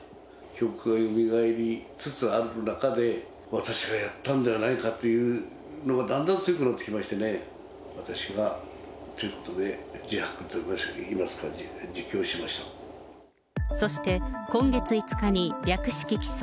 記憶がよみがえりつつある中で、私がやったんじゃないかというのがだんだん強くなってきましてね、私がということで、そして、今月５日に略式起訴。